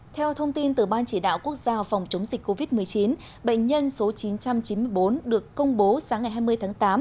theo thông tin từ ban chỉ đạo quốc gia phòng chống dịch covid một mươi chín bệnh nhân số chín trăm chín mươi bốn được công bố sáng ngày hai mươi tháng tám